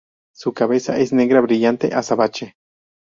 Su cabeza es negra brillante, azabache.